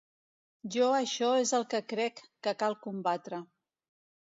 Jo això és el que crec que cal combatre.